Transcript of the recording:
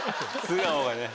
素顔がね。